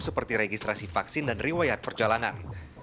seperti registrasi vaksin dan riwayat perjalanan